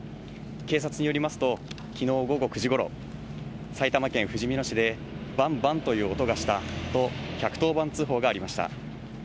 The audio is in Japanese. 警察によりますと、きのう午後９時ごろ、埼玉県ふじみ野市で、ばんばんという音がしたと１１０番通報がありました。